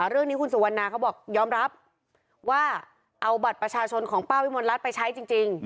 เรื่องนี้คุณสุวรรณาเขาบอกยอมรับว่าเอาบัตรประชาชนของป้าวิมลรัฐไปใช้จริง